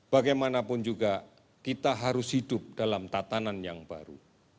bagaimanapun juga kita harus hidup dalam tatanan yang baru